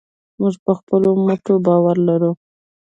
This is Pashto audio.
موږ په خپلو مټو باور لرو.